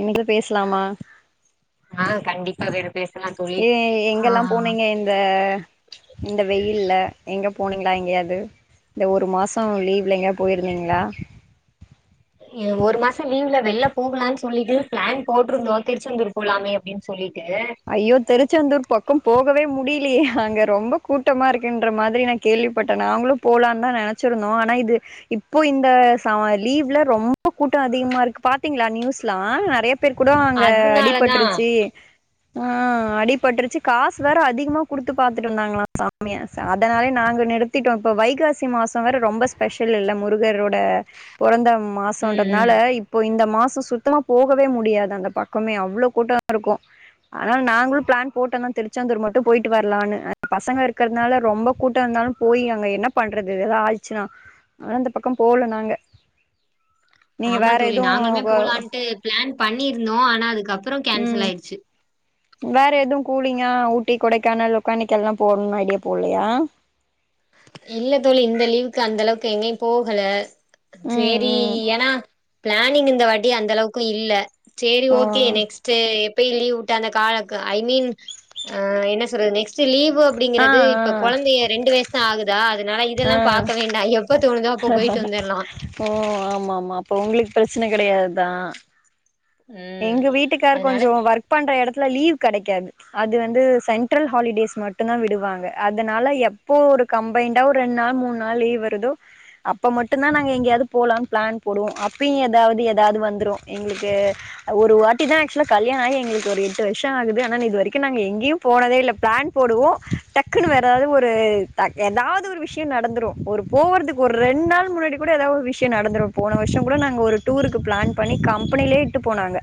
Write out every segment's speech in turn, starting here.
இன்னைக்கு பேசுலாமா ஆ கண்டிப்பா வேணு பேசுலா தோழி ஏ ஆ எங்கெல்லா போனீங்க இந்த இந்த வெயில்ல எங்க போனிங்களா எங்கயாது இந்த ஒரு மாசோ லீவ்ல எங்கியாது போயிருந்தீங்களா ம் ஒரு மாசோ லீவ்ல வெள்ல போகலான்னு சொல்லிட்டு ப்ளான் போட்டிருந்தோ திருச்செந்தூர் போலாமே அப்டின்னு சொல்லிட்டு ஐயோ திருச்செந்தூர் பக்கோ போகவே முடிலியே அங்க ரொம்ப கூட்டமா இருக்குன்ற மாதிரி என கேள்விப்பட்ட நாங்களு போலானுதா நெனைச்சிருந்தோ ஆனா இது இப்போ இந்த ச லீவ்ல ரொம்ப கூட்டோ அதிகமா இருக்கு பாத்தீங்களா நியூஸ்லா நெறைய பேர் கூடோ அங்க அதனாலதா அடிபட்டுருச்சி ஆ அடிபட்ருச்சு காசு வேற அதிகமா குடுத்து பாத்துட்டு இருந்தாங்களா சாமிய அதனால நாங்க நிறுத் திட்டோ இப்ப வைகாசி மாசம் வேர ரொம்ப ஸ்பெஷல் இல்ல முருகரோட பொறந்த ம் மாசம்ன்றனால ம் இப்போ இந்த மாச சுத்தமா போகவே முடியாது அந்த பக்கமே அவ்ளோ கூட்டோ இருக்கு ஆனால் நாங்களு பிளான் போட்டோ தா திருச்சந்தூர் மட்டு போயிட்டு வர்லான்னு பசங்க இருக்கிறனால ரொம்ப கூட்ட ந்தாலு போய் அங்க என்ன பண்றது எதா ஆய்ச்சுன்னா ஆனா இந்த பக்கம் போல நாங்க நீங்க ஆமா வேற தோழி எதுவு நாங்களுமே கோ போலான்ட்டு பிளான் பண்ணியிர்தோ ஆனா அதுக்கப்புறோ கேன்சல் ம் ஆயிர்ச்சு வேற எதுவு கூலிங்கா ஊட்டி கொடைக்கானல் லொக்கானிக்கல்லா போணுன்ன ஐடியா போல்லையா இல்ல தோழி இந்த லீவுக்கு அந்த அலவுக்கு எங்கேயு போகல ம் சேரி ம் ஏன்னா பிளானிங் இந்த வாட்டி அந்த அளவுக்கு இல்ல சேரி ஓ ஓகே நெக்ஸ் சே எப்பய் லீவ் உட்ட அந்த கால ஐ மீன் ஆ என்ன சொல்றது நெக்ஸ்ட்டு லீவ் கு ஆ ஆ அப்டிங்கிறது இப்ப கொழந்தைய ரெண்டு வயசு தா ஆகுதா அதனால ஆ இதெல்லா பார்க்க வேண்டா எம் எப்ப தோணுதோ அப்போ போயிட்டு வந்தர்லா ஓ ஆமாமா அப்ப ஒங்குளுக்கு ப்ரச்சன கெடையாதுதா ம் எங்க வீட்டுக்கார் அதனால கொஞ்சோ ஒர்க் பண்ற எடத்துல லீவ் கெடைக்காது அது வந்து சென்ட்ரல் ஹாலிடேஸ் மட்டுந்தா விடுவாங்க அதனால எப்போ ஒரு கம்பயிண்டா ஒரு ரெண்டு நாள் மூணு நாள் லீவ் வருதோ அப்ப மட்டுந்தா நாங்க எங்கேயாவது போலாம்னு பிளான் போடுவோ அப்பயு ஏதாவுது ஏதாவுது வந்துரு எங்களுக்கு ஒரு வாட்டிதா ஆக்சுவலா கல்யாண ஆகி எங்களுக்கு ஒரு எட்டு வருஷோ ஆகுது ஆனா இது வரைக்கு நாங்க எங்கேயு போனதே இல்ல ப்ளான் போடுவோ டக்குன்னு வேற எதாது ஒரு ட எதாவுது ஒரு விஷியோ நடந்துரு ஒரு போவறதுக்கு ஒரு ரெண் நாள் முன்னாடி கூட எதாவது விஷ்யோ நடந்துடு போன வர்ஷ கூட நாங் ஒரு டூருக்கு பிளான் பண்ணி கம்பெனியிலயே இட்டு போனாங்க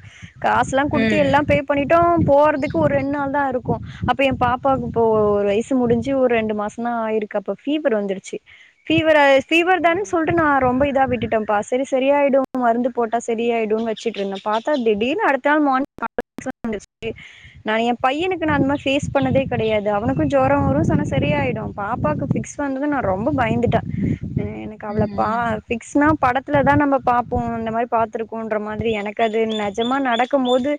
காசுல்லா குடுத்து ம் எல்லாம் பே பண்ணிடோ போறதுக்கு ஒரு ரெண் நாள் தா இருக்கு அப்ப எ பாப்பாவுக்கு இப்போ ஒரு வயசு முடிஞ்சு ஒரு ரெண்டு மாஸ் நா இருக் அப்ப ஃபீவர் வந்துருச்சு ஃபீவரா ஃபீவர் ஓ தான் சொல்ற நா ரொம்ப இதா விட்டுட்ட பாஸ் செரி செரியாயிடு மருந்து போட்டா சரியாயிடுன் வெச்சுட்ருந்தே பாத் த திடிர்ன்னு அடுத்த மான் [inaudible] நா எ பையனுக்கு நா அந்த மார் ஃபேஸ் பண்ணதே கடையாது அவனுக்கு ஜொரோ வரு சன்னா சரி ஆயிடு பாப்பாக்கு ஃபிக்ஸ் ப்ப வந்துட்டு நா ரொம்ப பய்ந்துட்டே [inaudible] ம் கவலதா ம் ஃபிக்ஸ்னா படத்துல தா நம்ம பாப்போ இந்த மாரி பாத்திருக்கோன்ற மாதிரி எனக்கு அ து நெஜமா நடக்கும் மோது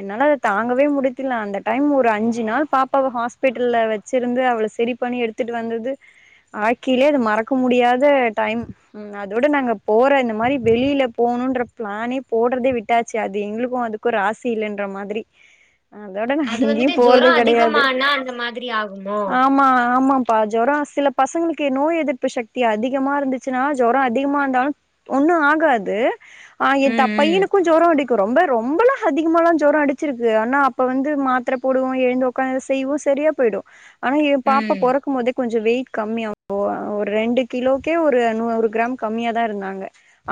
என்னால அத தாங்கவே முடித்துல அந்த டைம் ஒரு அஞ்சு நாள் பாப்பாவ ஹாஸ்பிட்டல்ல வச்சிருந்து அவள சரி பண்ணி எடுத்துட்டு வந்தது வாழ்க்கையிலயே அது மறக்க முடியாத டைம் ம் அதோட நாங்க போற இந்த மாரி வெளியில போணுன்ற பிளானே போடுறதே விட் ட்டாச்சு அது எங்களுக்கு அதுக்கு ஒரு ராசி இல்லைன்ற மாதிரி அதோட நா அது எங்கேயு வந்துட்டு ஜொரோ போறது கடையாது அதிகமானா அந்த மாதிரி ஆகுமோ ஆமா ஆமாம் அப்ப ஜொரோ சில பசங்களுக்கு நோய் எதிர்ப்பு சக்தி அதிகமா இருந்துச்சுன்னா ஜொரோ அதிகமா ந்தாலு ஒண்ணு ஆகாது ஆ எ த ம் ம் பையனுக்கு ஜொரோ அடிக் ரொம்ப ரொம்பலா அதிகமல்லா ஜொரோ அடிச்சிருக்கு ஆனா அப்ப வந்து மாத்தர போடுவோ எழுந்து கொஞ்ச செய்யவு சரியா போயிடு ஆனா எ பாப்பா ம் பொறக்கும் போதே கொஞ்ச வெயிட் கம்மியா போ ஒரு ரெண்டு கிலோக்கே ஒரு நூறு கிராம் கம்மியாாதா இருந்தாங்க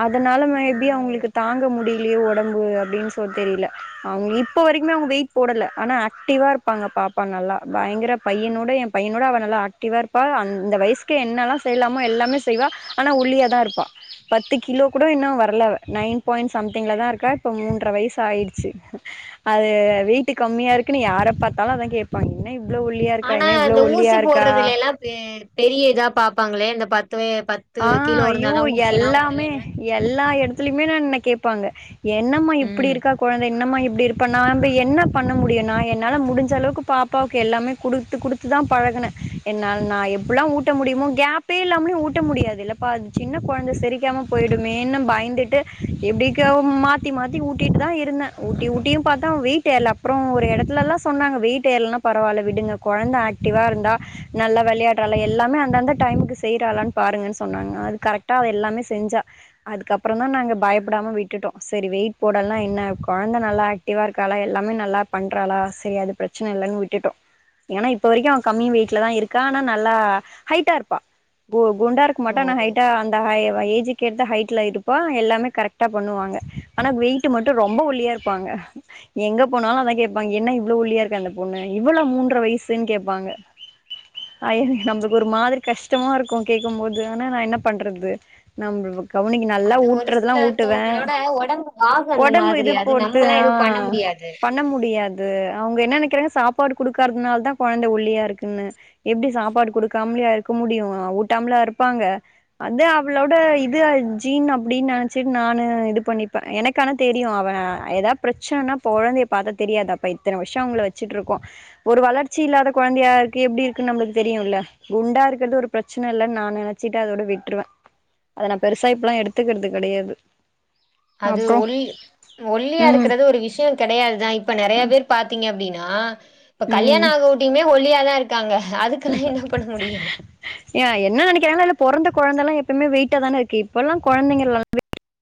அதனால மேபி ஓ அவங்களுக்கு தாங்க முடியலையே ஒடம்பு அப்டின் சொ தெரியில்ல அவங்க இப்ப வரைக்குமே அவங்க வெயிட் போடல ஆனா ஆக்டிவா இருப்பாங்க பாப்பா நல்லா பயங்கர பையனோட எ பையனோட அவ நல்லா ஆக்டிவா இருப்பா அந்த வயசுக்கு என்னெல்லா செய்லாமோ எல்லாமே செய்வா ஆனா ஒள்ளியே தா இருப்பா பத்து கிலோ கூட இன்னு வரல நைன் பாயிண்ட் சம் டிங்லதா இருக்கா இப்ப மூன்ற வயசு ஆயிடுச்சு அது வெயிட்டு கம்மியா இருக்குன்னு யார பாத்தாலு அததா கேப் பாங் என்ன இவ்ளோ ஒல்லியா இருக்கா ஆனா என்ன இவ்ளோ இந்த ஊசி ஒல்லியா இருக்கா போடுறதுல எல்லா பெ பெரிய இதா பாப்பாங்களே இந்த பத்து ப ஆ அய்யோ எல்லாமே எல்லா இடத்துலயுமே நா என்ன கேப்பாங்க என்னம்மா இப்டி ம் இருக்கா கொழந்தை என்னமா இப்டி இருக் இப்ப நா வந்து என்ன பண்ண முடியு நா என்னால முடிஞ்ச அளவுக்கு பாப்பாவுக்கு எல்லாமே குடுத்து குடுத்துதா பழகுனெ என்னால் நா எப்டில்லா ஊட்ட முடியுமோ கேப்பே இல்லாமலே ஊட் கட்ட முடியாது இல்லப்பா அது சின்ன கொழந்த செரிக்காம போயிடுமேன்னு பயந்துட்டு எப்டிக மா த்தி மாத்தி ஊட்டிட்டுதாருந்தே ஊட்டி ஊட்டியு பாத்தே அவ வெயிட் ஏர்ல அப்றோ ஒரு இடத்துலல்லா சொன்னாங்க வெயிட் ஏர்லன்னா பரவால்ல விடுங்க கொழந்த ஆக்டிவாருந்தா நல்லா வெளையாட்றாளா எல்லாமே அந்தந்த டைமுக்கு செய்றாளான்னு பாருங்கன்னு சொன்னாங்க அது கரெக்டா அவ எல்லாமே செஞ்சா அதுக்கப்றோந்தா நாங்க பயப்டாம விட்டுட்டோ செரி வெயிட் போடலன்னா என்ன கொழந்த நல்லா ஆக் டிவா இர்காலா எல்லாமே நல்லா பண்றாளா செரி அது பிரச்சன இல்லன்னு விட்டுட்டோ ஏனா இப்ப வரைக்கு அவ கம்மி வெயிட்லதாருக்கா ஆனா நல்லா ஹைட்டாருப்பா கு குண்டா ஓ இருக்கமாட்டா அனா ஹைட்டா அ ஹை ஏஜூகேத்த ஹைட்ல இருப்பா எல்லாமே கரெக்டா பண்ணுவாங்க ஆனா வெயிட் டு மட்டு ரொம்ப ஒல்லியாருப்பாங்க எங்க போனாலு அதா கேப்பாங்க என்ன இவ்ளோ ஒல்லியாருக்கா அந்த பொண்ணு இவளா மூன்ற வயசுன் கேப்பாங்க அய்யயோ நம்பளுக்கு ஒரு மாதிரி கஷ்டமா இருக் கு கேக்கும்போது ஆனா நா என்ன பண்றது நம் கவுனிங் நல்லா அது ஒரு ஊட்றதுலா ஊட்டுவே சிலத்தவங்களோட ஒடம்பு வாகு அந்த ஒடம்பு இது மாதிரி அது பொருத்து நம்மல்லா ஆ எதுவு பண்ண முடியாது பண்ண முடியாது அவுங்க என்ன நெனைக்கிறாங்க சாப்பாடு குடுக்காததுனாலதா கொழந்த ஒல்லியாருக்குன்னு எப்டி சாப்பாடு குடுக்காம்லயா இருக்க முடியு ஊட்டாம்லா இருப்பாங்க அதா அவளோட இது ஜீன் அப்டின்னு நெனைச்சிட்டு நானு இது பண்ணிப்பே எனக் கான தெரியு அவே ஏதா பிரச்சனனா கொழந்தைய பாத்தா தெரியாதா அப்ப இத்தன வருஷோ அவுங்கள வச்சுட்ருக்கோ ஒரு வளர்ச்சி இல்லாத கொழந்தையாருக்கு எப்டி இருக்குன்னு நம்ளுக்கு தெரியுல்ல குண்டாருக்கிறது ஒரு பிரச் சன இல்லன் நா நெனைச்சிட்டு அதோட விட்ருவே அத நா பெருசா இப்பெல்லா எடுத்துக்கிறது கெடையாது அது அப்றோ ஒல் ம் ஒல்லியாருக்குறது ஒரு விஷயோ கெடையாதுதா இப் இப்ப நெறைய பேர் பாத்தீங்க அப்டின்னா இப்ப ம் கல்யாணோ ஆகவொட்டியுமே ஒல்லியாதா இருக் டாங்க அதுக்கெல்லா என்ன பண்ண முடியு ஏனா என்ன நெனைக்கிறாங்கனா இல்ல பொறந்த கொழந்தல்லா எப்யுமே வெயிட்டாதானருக்கு இப்பெல்லா கொழந்தைங்க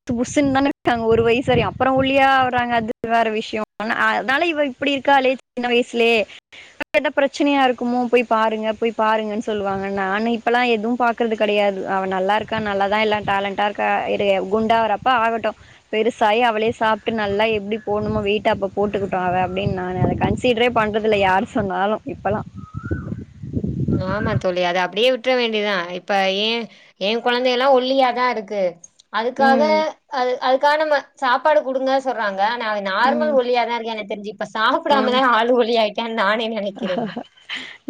புஷுனு தான இருக்காங்க ஒரு வயசு வரயு அப்புறோ ஒல்லியாவுறாங்க அது வேற விஷயொ அனா அதனால இவ இப்டி இருக்காளே சின்ன வயசுலே வேற எது பிரச்சனயா இருக்குமோ போய் பாருங்க போய் பாருங்கன்னு சொல்லுவாங்க நானு இப்பல்லா எது பாக்குறது கெடையாது அவ நல்லா இருக் கா நல்லாதா எல்லா டேலண்டாருக்கா இரு குண்டாரப்ப ஆகட்டு பெருசாயி அவளே சாப்ட்டு நல்லா எப்டி போணுமோ வெயிட்டு அப்ப போட்டுக்கிட்டும் அவ அப்டின்னு நா நெனக் கன்ச் சீட்ரே பண்றதுல்ல யார் சொன்னாலு இப்பல்லா ஆமா தொழி அத அப்டியே விட் ற வேண்டிதா இப்ப ஏ ஏ கொழந்தயெல்லா ஒல்லியாதாருக்கு அதுக்காக ம். அது அதுக்காக நம்ம சாப்பாடு குடுங்க சொல்றாங்க நா ம். நார்மல் ஒல்லியாதா இருக்கா எனக்கு தெரிஞ்சி இப்ப ம். சாப்புடாமதா ஆள் ஒல்லியாயிருகே நானு என்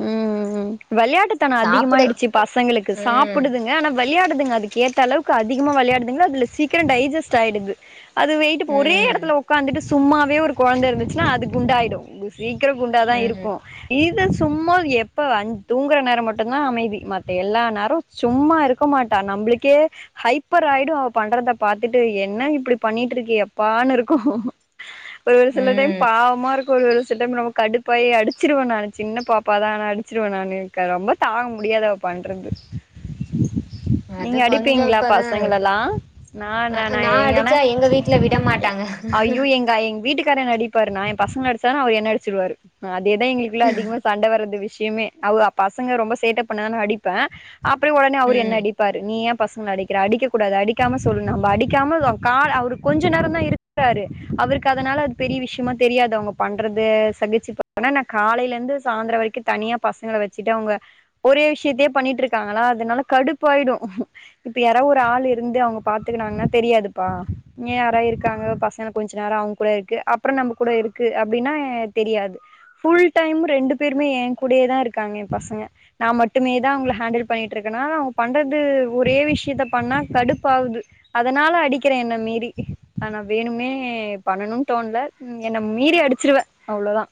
ம் வெளையாட்டுத்தனம் சாப்புடு அதிகமாயிடுச்சு பசங்களுக்கு ம் சாப்பிடுதுங் ஆனா வெளையாடுதுங்க அதுக்கு ஏத்த அளவுக்கு அதிகமா வெளையாடுதுங்க அதுல சீக்கிறொ டைஜஸ்ட் ஆய்டுது அது வெயிட்டு போ ஒரே ம் எடத்துல உக்காந்துட்டு சும்மாவே ஒரு கொழந்த இருந்துச்சுன்னா அது குண்டாய்டு சீக்கிரோ குண்டாதாருக் ம் இது சும்மா எப்ப அஞ் தூங்குற நேரொ மட்டுந்தா அமைதி மத்த எல்லா நேரொ சும்மா இருக்க மாட்டா நம்பளுக்கே ஹைப்பர் ஆயிடு அவ பண்றத பாத்துட்டு என்ன இப்டி பண்ணிட்டு இருக்கியே எப்பான்னுருக்கு ஒரு ஒரு சில டைம் ம் பாவமாருக்கு ஒரு ஒரு சில டைம் நொம்ப கடுப்பாயி அடிச் சுருவே நானு சின்ன பாப்பாதா நா ஆனா அடிச்சிருடுவே நானு ரொம்ப தாங்க முடியாது அவ பண்றது [inaudible] அது நீங்க கொஞ்சோ அடிப்பீங்களா இப்பதா பசங்களல்லா நா அ நா எங்கன அடிச்சா எங்க வீட்ல விட மாட்டாங்க ஐயோ எங்க எங் வீட்டுக்காரு என்ன அடிப்பாரு நா ஏ பசங்கள அடிச்சானா அவரு என்ன அடிச்சிருவாரு இதா எங்களுக்குள்ள அதிகமா சண்ட வர்றது விஷயமே அவ பசங்க ரொம்ப சேட்டப் பண்ணானு அடிப்பே அப்றோ ஒடனே அவரு ம் என்ன அடிப்பாரு நீயேப் பசங்கள அடிக்கிற அடிக்கக் கூடாது அடிக்காம சொல்லுனா நம்ம அடிக்காம ஆ கால்ல அ அவரு கொஞ்சோ நேரோ தா இருக் த்தாரு அவருக்கு அதனால அது பெரிய விஷ்யமா தெரியாது அவங்க பண்றது சகிச்சு கோ ஆனா நா காலைலருந்து சாந்துர வரைக்கு தனியா பசங்கள வச்சுட்டு அவுங்க ஒரே விஷ்யத்தே பண்ணிட்டுருக்காங்களா அதனால கடுப்பாயிடு இப்ப யாராவது ஒரு ஆளு இருந்து அவுங்க பாத்துக்குனாங்கன்னா தெரியாதுப்பா ஏ யாரா இருக்காங்க பசங்க கொஞ்சோ நேரோ அவுங் கூட இருக்கு அப்றோ நம்ம கூட இருக்கு அப்புடின்னா தெரியாது ஃபுல் டைம் ரெண்டு பேருமே ஏ கூடியேதா இருக்காங்க ஏ பசங்க நா மட்டுமே தா அவுங்கள ஹேண்டில் பண்ணிட்டுருக்கேனால அவுங்க பண்றது ஒரே விஷ்யத்த பண்ணா கடுப்பாகுது அதனால அடிக்கிறே என்ன மீறி ஆனா வேணும்னே பண்ணனு தோண்ல என்ன மீறி அடிச்சிருவே அவ்ளோதா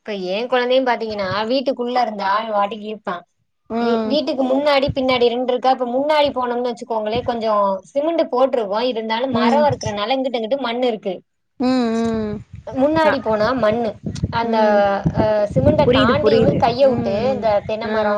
இப்ப ஏ கொழந்தையு பாத்தீங்கன்னா வீட்டுக்குள்ள இருந்தா அவ வாட்டிக்கு இருப்பா ஏ ம் வீட்டுக்கு முன்னாடி பின்னாடி ரெண்டுருக்கா இப்ப முன்னாடி போனோம்னு வச்சுக்கோங்களே கொஞ்சோ சிமெண்டு போட்ருக்கோ இருந்தாலு மரோ ம் இருக்குறனால இங்கிட்டு அங்கிட்டு மண் இருக்கு ம் ம் நா முன்னாடி போனா மண்ணு அந்த ம் அ சிமெண்ட புரியுது தாண்டியுமே புரியுது கைய வுட்டு ம் ம் இந்த தென்ன ஆ மரோ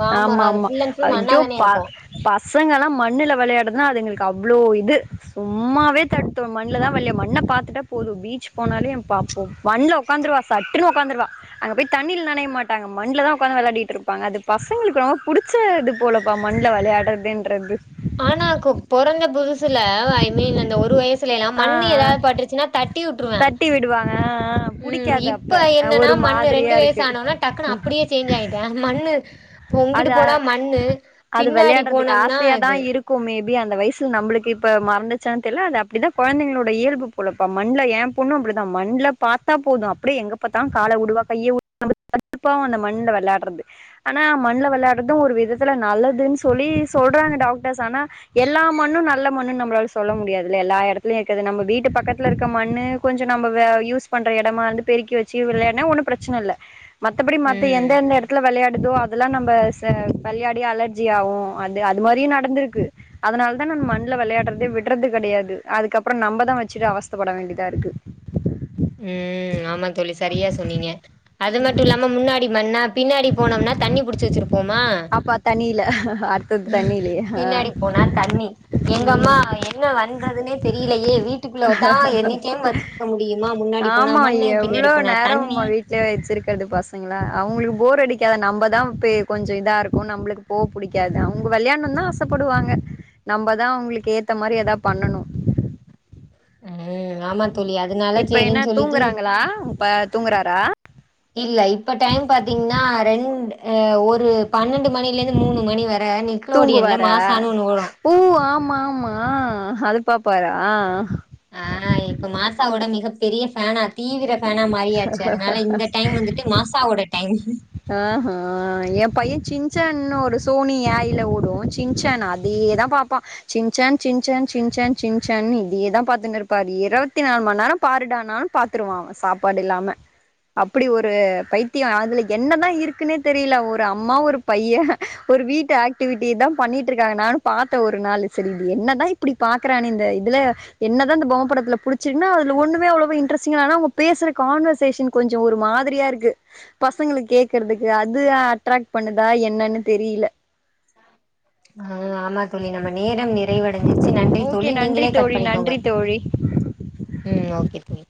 மாமரோ ஆமா அது ஆமா ஃபுல் அண்ட் ஃபுல் ஐயோ மண்ணாதானே பா இருக்கு பசங்கல்லா மண்ணுல வெளையாடுறதுன்னா அதுங்களுக்கு அவ்ளோ இது சும்மாவே தடுத்தோ மண்ணுலதா வெளிய மண்ண பாத்துட்டா போது பீச் போனாலே என் பாப்போ மண்ல ஒக்காந்துருவா சட்டுன்னு ஒக்காந்துருவா அங்க போய் தண்ணில் நனைய மாட்டாங்க மண்ல தா ஒக்காந் வெளாடிட்டு இருப்பாங்க அது பசங்களுக்கு ரொம்ப புடுச் ச இது போலப்பா மண்ல வெளயாடுறதுன்றது ஆனா கோ பொறந்த புதுசுல ஐ மீன் அந்த ஒரு வயசுலல்லா ஆ மண்ணு எதா ஆ பட்டுருச்சுன்னா தட் தட்டி விடுவாங்க அ அ உன்ன ம் புடிக்காது அப்ப இப்ப என்னன்னா ஒரு மண்ணு மாதிரியா ரெண்டு வயசு இருக்கு ஆனோனா டக்குன்னு அப்படியே சேஞ்ச் ஆயிட்டே மண்ணு இப்போ உங்கிட்டு அது அ போனா மண்ணு அது பின்னாடி வெளையாடுறதுக்கு போனோம்னா ஆசையாதா இது இருக் இருக்கும் மேபி அந்த வயசுல நம்ளுக்கே இப்ப மறந்துர்ச்சானு தெர்ல அது அப்டிதான கொழந்தைங்குளோட இயல்பு போலப்ப மா மண் மணல ஏ பொண்ணு அப்டிதா மண்ல பாத்தா போது அப்டியே எங்க பாத்தா கால உடுவா கைய உடு நமக்கு கடுப்பாகு அந்த மண்ல வெளையாட்றது ஆனா மண்ல வெளையாடுறதும் ஆனா மண்ல வெளையாட்றதும் ஒரு விதத்துல நல்லதுன்னு சொல்லி சொல்றாங்க டாக்டர்ஸ் ஆனா எல்லா மண்ணு நல்ல மண்ணுனு நம்மளால சொல்ல முடியாதில்லயா எல்லா எடத்துலயு இருக்குது நம்ம வீட்டு பக்கத் ல இருக்க மண்ணு கொஞ்சோ நம்ம வே யூஸ் பண்ற எடமா இருந்து பெருக்கி வச்சு வெளையாட்னா ஒன்னு பிரச்சன இல்ல மத்தபடி மத்த எந்த ம் எந்த எடத்துல வெளையாட் எதுவு ஆகலா நம்ம ச வெள்யாடி அலர்ஜி ஆகு அது அது மாரியு நடந்திருக்கு அதுனால தா நம்ம மண்ல வெளையாடுறதே விட்றது கெடையாது அதுக்கப்றோ நம்மதா வச்சிட்டு அவஸ் தப்பட வேண்டிதா இருக்கு ம் ஆமா தோழி சரியா சொன்னீங்க அது மட்டு இல்லாம முன்னாடி மண்ணா பின்னாடி போனோம்னா தண்ணி புடிச்சி வச்சுருப்போமா அப்பா தண்ணில அடுத்தது தண்ணிலயே ஆ பின்னாடி போனா தண்ணி எங்கம்மா ம் ஏ என்ன பண்றதுனே தெரியலையே வீட்டுக்குள்ளதா எனி டைம் வச்சிருக்க முடியு மா முன்னாடி போனா மண்ணு பின்னாடி போனா தண்ணி வீட்லயே வச்சிருக்குறது பசங்கள அவுங்களுக்கு போர் அடிக்காதா நம்மதா பே கொஞ்சோ இதா இருக்கு நம்ளுக் போ புடிக்காது அவங்க வெளயாட்ணுனா ஆசப்படுவாங்க நம்மதா அவுங்களுக்கு ஏத்த மாரி எதா பண்ணணு ம் ஆமா தோழி அதனால இப்ப என்ன சேரின்னு சொல்லிட்டு தூங்குறாங்களா இப்ப தூங்குறாரா இல்ல இப்ப டைம் பாத்தீங்னா ரெண்டு ஆ ஒரு பன்னெண்டு மணிலருந்து மூணு மணி வர நீங் தூங்குவாரா ஊ ஆமா ஆமா ஆ அதுப்பாப்பாரா ஆ இப்போ மாசாவோட மிக பெரிய ஃபேனா தீவிர ஃபேனா மாரியாச்சு அதனால இந்த டைம் வந்துட்டு மாசாவோட டைம் ஆ ஹா எ. பைய சின்சான்னு ஒரு சோனியாய்யில ஓடு சின்சானா அ இதேதா பாப்பா சின் சேன் சின் சேன் சின் சேன் சின் சேன்னு இதயேதா பாத்துன் இருப்பாரு இருபத்தி நாலு மணி நேரமு பாருடான்னா பாத்துருவா சாப்பாடு இல்லாம அப்டி ஒரு பைத்திய அதுல என்னதா இருக்குன்னே தெரில ஒரு அம்மா ஒரு பைய ஒரு வீட்டு ஆக்டிவிட்டிதா பண்ணிட்டு இருக்காங்க நானு பாத்த ஒரு நாளு சரி இது என்ன தா இப்பிடி பாக்குறானே இந்த இதுல என்னதா இந்த பொம்ம படத்துல புடிச்சிர்க்னா அதுல ஒன்னுமே அவ்ளோ வா இன்ட்ரெஸ்டிங்கா ஆனா அவுங்க பேசுற கான்வர்ஸ் சேஷன் கொஞ்சோ ஒரு மாதிரியா இருக்கு பஸ் பசங்களுக்கு கேக்குறதுக்கு அது அட்ராக்ட் பண்ணுதா என்னன்னு தெரில ஆ ஆமா தோழி நம்ம நேரம் நிறைவடஞ்சிருச்சு நன்றி ஓகே தோழி நன்றி நீங்களே கட் தோழி பண்ணிக்கோ நன்றி தோழி ம் ஓ கே தோழி